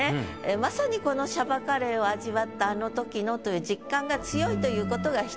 まさにこのしゃばカレーを味わったあの時のという実感が強いということが１つ。